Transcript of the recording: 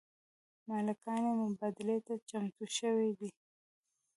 مالکان یې مبادلې ته چمتو شوي دي.